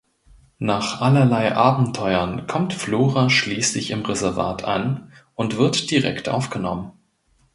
Nach allerlei Abenteuern kommt Flora schließlich im Reservat an und wird direkt aufgenommen.